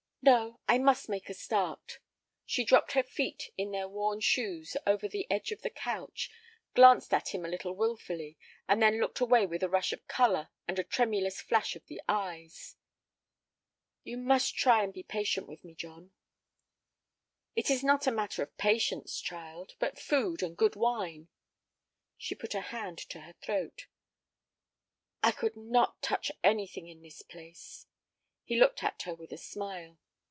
"No, I must make a start." She dropped her feet in their worn shoes over the edge of the couch, glanced at him a little wilfully, and then looked away with a rush of color and a tremulous flash of the eyes. "You must try and be patient with me, John." "It is not a matter of patience, child, but food and good wine." She put a hand to her throat. "I could not touch anything in this place." He looked at her with a smile.